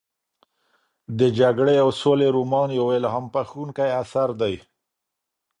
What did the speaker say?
د جګړې او سولې رومان یو الهام بښونکی اثر دی.